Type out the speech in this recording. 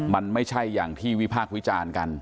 มันไม่ใช่อย่างที่วิพากษ์วิจารณ์กัน